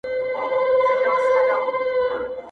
یوه بل ته په خوږه ژبه ګویان سول -